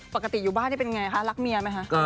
ปกติอยู่บ้านนี่เป็นไงคะรักเมียไหมคะ